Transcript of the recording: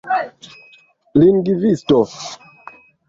lingvisto